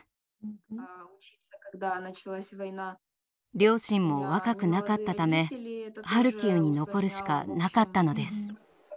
両親も若くなかったためハルキウに残るしかなかったのです。